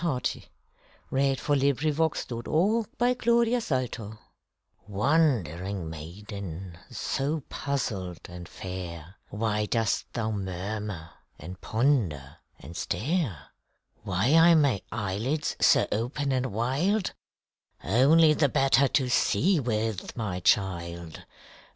WHAT THE WOLF REALLY SAID TO LITTLE RED RIDING HOOD Wondering maiden, so puzzled and fair, Why dost thou murmur and ponder and stare? "Why are my eyelids so open and wild?" Only the better to see with, my child!